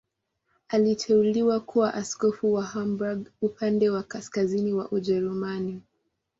Aliteuliwa kuwa askofu wa Hamburg, upande wa kaskazini wa Ujerumani.